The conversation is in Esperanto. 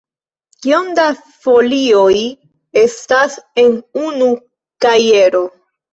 Kiom da folioj estas en unu kajero?